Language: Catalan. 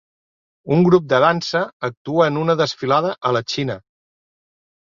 Un grup de dansa actua en una desfilada a la Xina.